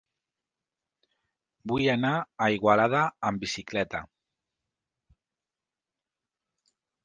Vull anar a Igualada amb bicicleta.